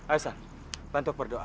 ayo san bantu berdoa